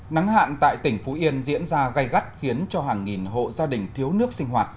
nắng hạn tại tỉnh phú yên diễn ra gây gắt khiến cho hàng nghìn hộ gia đình thiếu nước sinh hoạt